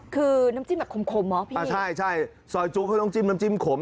คือน้ำจิ้มแบบขมเหรอพี่อ่าใช่ใช่ซอยจุเขาต้องจิ้มน้ำจิ้มขม